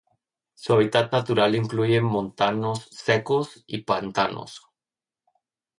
Su hábitat natural incluye montanos secos y pantanos.